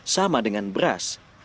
seharga beragam bergizi seimbang dan aman